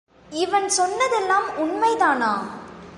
இவன் சொன்னதெல்லாம் உண்மைதானா?